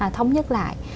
thống nhất lại